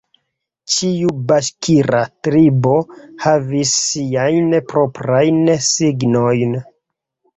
Ĉiu baŝkira tribo havis siajn proprajn signojn.